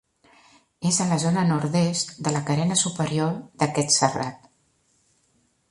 És a la zona nord-est de la carena superior d'aquest serrat.